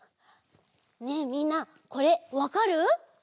ねえみんなこれわかる？